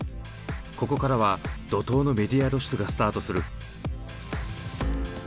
ここからは怒涛のメディア露出がスタートする。